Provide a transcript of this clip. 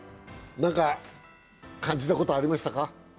何か感じたことありましたか？